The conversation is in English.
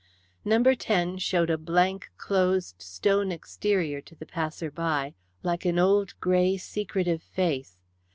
Number 10 showed a blank closed stone exterior to the passer by, like an old grey secretive face.